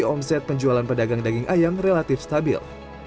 omset penjualan pedagang daging ayam relatif stabil